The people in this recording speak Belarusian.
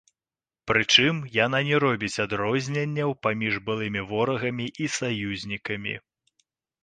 Прычым яна не робіць адрозненняў паміж былымі ворагамі і саюзнікамі.